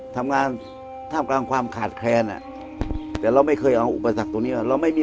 ทำงานท่ามกลางความขาดแคลนอ่ะแต่เราไม่เคยเอาอุปสรรคตรงนี้เราไม่มี